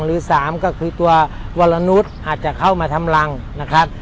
หรือสามก็คือตัววรนุษย์อาจจะเข้ามาทำรังนะครับ